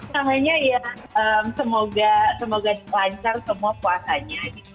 namanya ya semoga lancar semua puasanya gitu